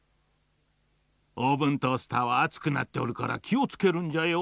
オーブントースターはあつくなっておるからきをつけるんじゃよ。